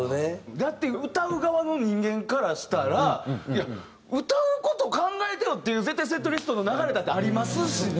だって歌う側の人間からしたら歌う事考えてよ！っていう絶対セットリストの流れだってありますしね。